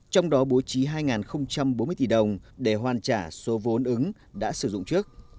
trong đó bố trí hai bốn mươi tỷ đồng để hoàn trả số vốn ứng đã sử dụng trước